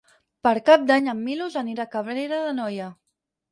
Per Cap d'Any en Milos anirà a Cabrera d'Anoia.